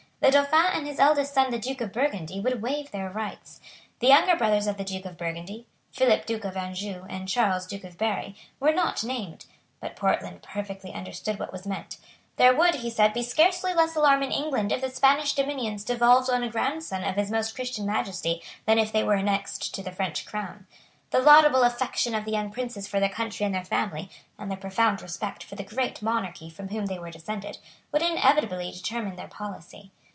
The Dauphin and his eldest son the Duke of Burgundy would waive their rights. The younger brothers of the Duke of Burgundy, Philip Duke of Anjou and Charles Duke of Berry, were not named; but Portland perfectly understood what was meant. There would, he said, be scarcely less alarm in England if the Spanish dominions devolved on a grandson of His Most Christian Majesty than if they were annexed to the French crown. The laudable affection of the young princes for their country and their family, and their profound respect for the great monarch from whom they were descended, would inevitably determine their policy.